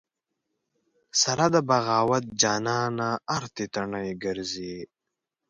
سره د بغاوت جانانه ارتې تڼۍ ګرځې